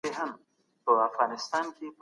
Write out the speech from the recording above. پر صفحه دا وليكل